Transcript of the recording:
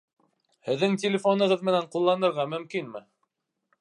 Һеҙҙең телефонығыҙ менән ҡулланырға мөмкинме?